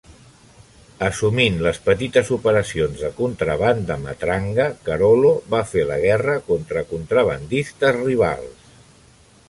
Assumint les petites operacions de contraban de Matranga, Carollo va fer la guerra contra contrabandistes rivals.